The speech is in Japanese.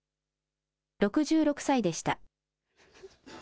６６歳でした。